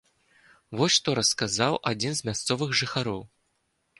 Вось што расказаў адзін з мясцовых жыхароў.